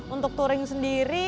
untuk touring sendiri